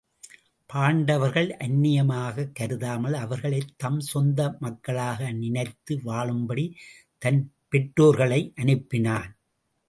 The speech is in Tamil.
பாண்டவர்களை அந்நியமாகக் கருதாமல் அவர்களைத் தம் சொந்த மக்களாக நினைத்து வாழும்படி தன் பெற்றோர்களை அனுப்பினான்.